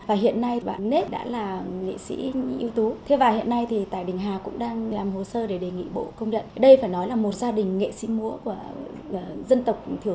và hiện nay bạn nết đã là nghệ sĩ ưu tú